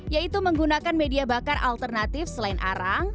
yaitu menggunakan media bakar alternatif selain arang